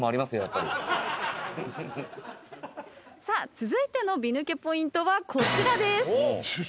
さあ続いての美抜けポイントはこちらです。